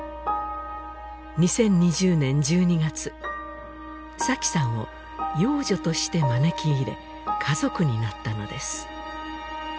２０２０年１２月紗妃さんを養女として招き入れ家族になったのです